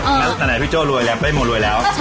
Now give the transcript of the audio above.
ตั้งแต่พี่โจ้รวยแล้วไปหมดรวยแล้ว